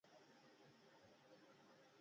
د استنادي دیوال ارتفاع درې متره ده